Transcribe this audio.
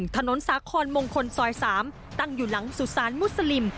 ถนนสาคอนมงคลซอย๓ตั้งอยู่หลังสุสานมุสลิม